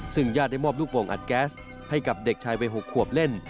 ซึ่งญาติได้มอบลูกโป่งอัดแก๊สให้กับเด็กชายวัย๖ขวบเล่น